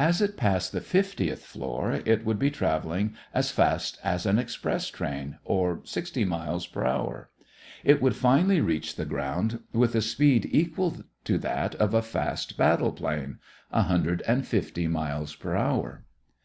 As it passed the fiftieth story it would be traveling as fast as an express train, or 60 miles per hour. It would finally reach the ground with a speed equal to that of a fast battle plane 150 miles per hour.